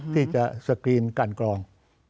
ที่จะสกรีนกันกรอง